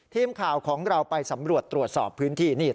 ทีมข่าวของเราไปสำรวจตรวจสอบพื้นที่นี่